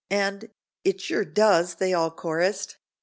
and "It sure does," they all chorused.